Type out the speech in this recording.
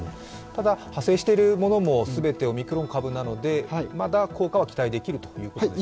ただ派生しているものも全てオミクロン株なので、まだ効果は期待できるということですね。